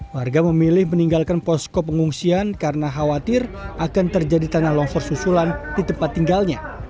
warga memilih meninggalkan posko pengungsian karena khawatir akan terjadi tanah longsor susulan di tempat tinggalnya